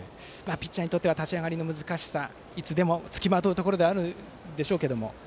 ピッチャーにとっては立ち上がりの難しさはいつでも付きまとうところでしょうけど。